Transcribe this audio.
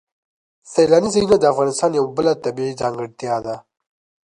سیلاني ځایونه د افغانستان یوه بله طبیعي ځانګړتیا ده.